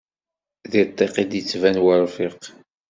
Di ddiq i d-yettban urfiq.